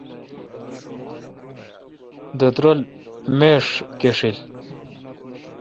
دُت رل میڄ گݭیل